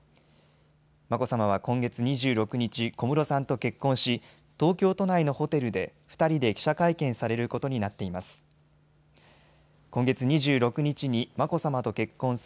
眞子さまは今月２６日、小室さんと結婚し東京都内のホテルで２人で記者会見されることになっています。